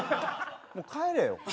もう帰れよ。